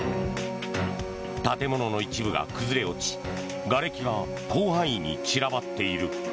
建物の一部が崩れ落ちがれきが広範囲に散らばっている。